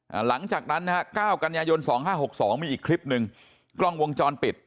อ่าหลังจากนั้นนะฮะ๙กันยายน๒๕๖๒มีอีกคลิปหนึ่งกล้องวงจรปิด